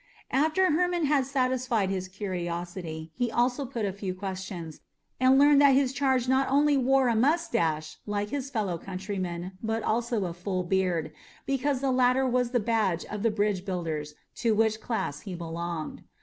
After Hermon had satisfied his curiosity, he also put a few questions, and learned that his charge not only wore a mustache, like his fellow countrymen, but also a full beard, because the latter was the badge of the bridge builders, to which class he belonged.